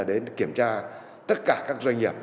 để kiểm tra tất cả các doanh nghiệp